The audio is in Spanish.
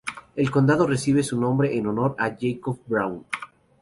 El condado recibe su nombre en honor a Jacob Brown.